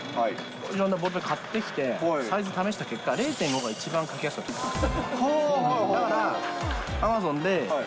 いろんなボールペンを買ってきて、サイズ試した結果、０．５が一番書きやすかったです。